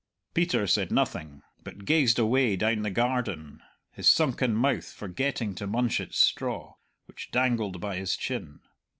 Peter said nothing, but gazed away down the garden, his sunken mouth forgetting to munch its straw, which dangled by his chin.